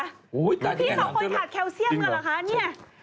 พี่สองคนชอบกัดแคลเซียมกันเหรอคะนี่